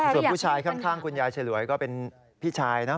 ส่วนผู้ชายข้างคุณยายฉลวยก็เป็นพี่ชายนะ